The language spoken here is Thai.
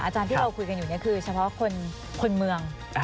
อาจารย์ที่เราคุยกันอยู่นี่คือเฉพาะคนเมือง